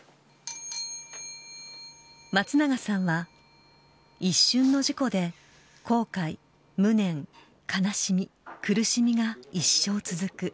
松永さんは、一瞬の事故で、後悔、無念、悲しみ、苦しみが一生続く。